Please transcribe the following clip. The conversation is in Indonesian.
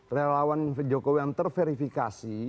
relawan jokowi yang terverifikasi